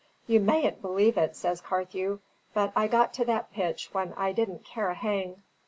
"You mayn't believe it," says Carthew, "but I got to that pitch that I didn't care a hang.